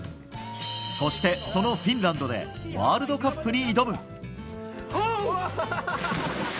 そして、そのフィンランドでワールドカップに挑む。